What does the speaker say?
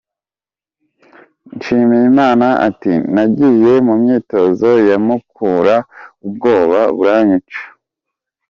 Nshimiyimana ati "Nagiye mu myitozo ya Mukura ubwoba buranyica.